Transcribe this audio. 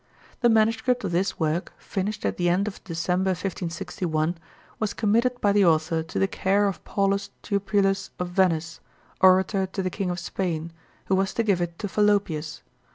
The manuscript of this work, finished at the end of December, 1561, was committed by the author to the care of Paulus Teupulus of Venice, orator to the King of Spain, who was to give it to Fallopius.